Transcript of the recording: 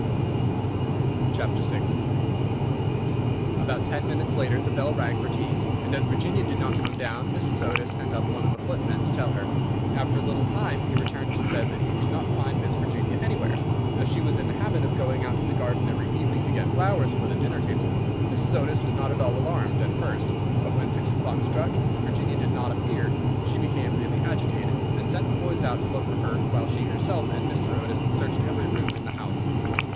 [Illustration: "THE GHOST GLIDED ON MORE SWIFTLY"] VI About ten minutes later, the bell rang for tea, and, as Virginia did not come down, Mrs. Otis sent up one of the footmen to tell her. After a little time he returned and said that he could not find Miss Virginia anywhere. As she was in the habit of going out to the garden every evening to get flowers for the dinner table, Mrs. Otis was not at all alarmed at first, but when six o'clock struck, and Virginia did not appear, she became really agitated, and sent the boys out to look for her, while she herself and Mr. Otis searched every room in the house.